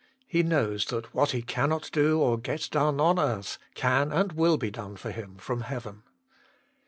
He knows that what he cannot do or get done on earth, can and will be done for him from heaven.